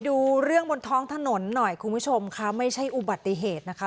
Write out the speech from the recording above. ดูเรื่องบนท้องถนนหน่อยคุณผู้ชมค่ะไม่ใช่อุบัติเหตุนะคะ